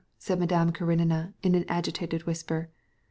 said Madame Karenina in an agitated whisper.